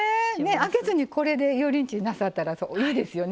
揚げずにこれで油淋鶏なさったらいいですよね